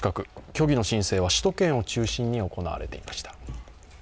虚偽の申請は首都圏を中心に行われていました。